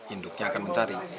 induknya akan mencari